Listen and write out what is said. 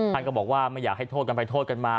ท่านก็บอกว่าไม่อยากให้โทษกันไปโทษกันมา